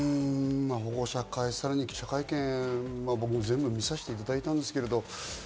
保護者会、さらに記者会見、僕も全部見させていただいたんですけど。